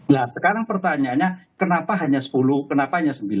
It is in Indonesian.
nah sekarang pertanyaannya kenapa hanya sepuluh kenapa hanya sembilan